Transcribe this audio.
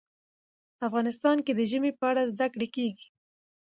افغانستان کې د ژمی په اړه زده کړه کېږي.